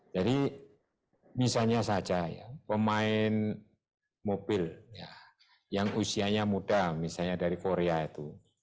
jadi misalnya saja pemain mobil yang usianya muda misalnya dari korea itu